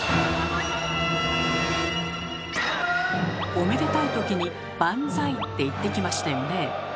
⁉おめでたいときに「バンザイ」って言ってきましたよね。